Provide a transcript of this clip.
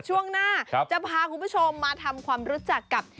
ช่วงหน้าจะพาคุณผู้ชมมาทำความรู้จักกับ